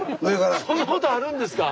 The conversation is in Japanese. そんなことあるんですか？